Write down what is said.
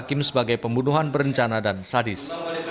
hakim sebagai pembunuhan berencana dan sadis